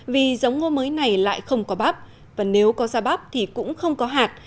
vì giống ngô mới này lại không có bắp và nếu có ra bắp thì cũng không có hạt